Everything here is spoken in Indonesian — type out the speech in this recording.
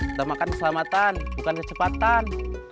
kita makan keselamatan bukan kecepatan